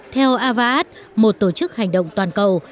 theo avaat một tổ chức hành động toàn cầu